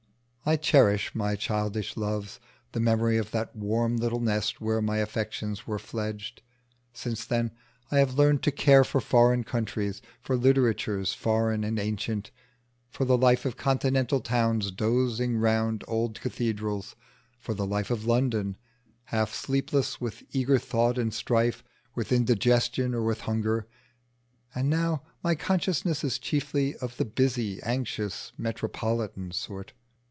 I cherish my childish loves the memory of that warm little nest where my affections were fledged. Since then I have learned to care for foreign countries, for literatures foreign and ancient, for the life of Continental towns dozing round old cathedrals, for the life of London, half sleepless with eager thought and strife, with indigestion or with hunger; and now my consciousness is chiefly of the busy, anxious metropolitan sort.